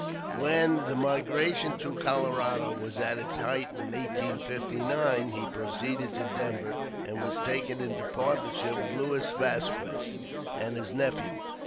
When the migration to Colorado was at its height in 1859, he pro ceeded to Denver, and was taken into partnership with Louis Vasquez and his nephew.